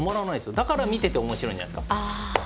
だから、見ていておもしろいんじゃないですか。